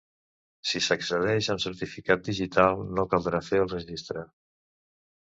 Si s’accedeix amb certificat digital, no caldrà fer el registre.